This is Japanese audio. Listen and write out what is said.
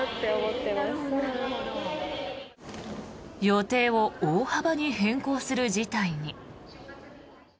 予定を大幅に変更する事態に。